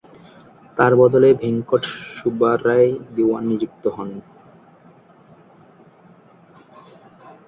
তার বদলে ভেঙ্কট সুব্বারায় দিওয়ান নিযুক্ত হন।